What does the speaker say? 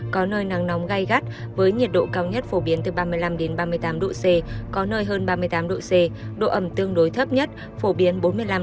có nơi nắng nóng gai gắt với nhiệt độ cao nhất phổ biến từ ba mươi năm ba mươi tám độ c có nơi hơn ba mươi tám độ c độ ẩm tương đối thấp nhất phổ biến bốn mươi năm